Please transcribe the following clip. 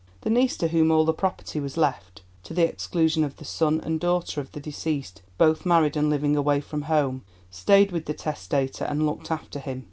The niece to whom all the property was left—to the exclusion of the son and daughter of the deceased, both married, and living away from home—stayed with the testator and looked after him.